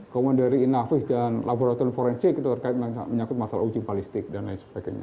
kemudian dari inavis dan laboratorium forensik itu terkait menyangkut masalah uji balistik dan lain sebagainya